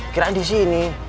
kira kira di sini